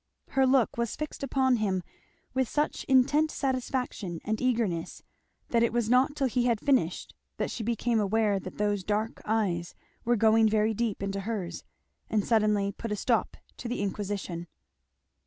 Her look was fixed upon him with such intent satisfaction and eagerness that it was not till he had finished that she became aware that those dark eyes were going very deep into hers, and suddenly put a stop to the inquisition.